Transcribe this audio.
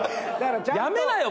やめなよ